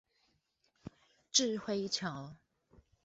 稚暉橋